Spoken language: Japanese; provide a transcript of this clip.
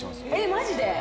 マジで？